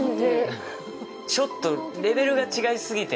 ちょっとレベルが違いすぎて。